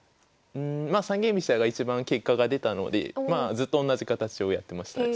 まあ三間飛車がいちばん結果が出たのでまあずっと同じ形をやってましたね